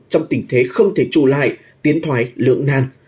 trong tình thế không thể trù lại tiến thoái lưỡng nàn